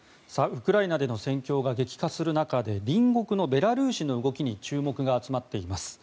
ウクライナでの戦況が激化する中で隣国のベラルーシの動きに注目が集まっています。